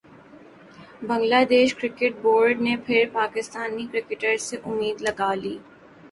بنگلہ دیش cricket board نے پھر پاکستانی کرکٹرز سے امید لگا لی